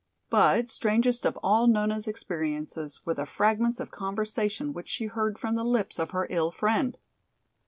But strangest of all Nona's experiences were the fragments of conversation which she heard from the lips of her ill friend.